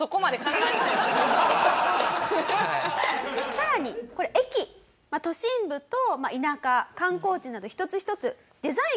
さらにこれ駅都心部と田舎観光地など一つ一つデザインが違いますよね